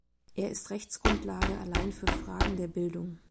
Er ist Rechtsgrundlage allein für Fragen der Bildung.